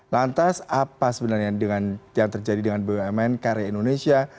lantas apa sebenarnya yang terjadi dengan bumn karya indonesia